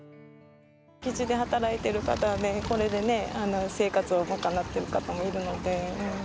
基地で働いている方は、これでね、生活を賄ってる方もいるので。